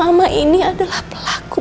acaranya pergi dan laborator